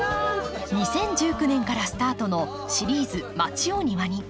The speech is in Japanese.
２０１９年からスタートのシリーズ「まちをニワに」。